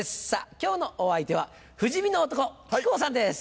今日のお相手は不死身の男木久扇さんです。